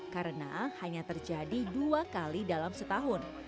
karena hanya terjadi dua kali dalam setahun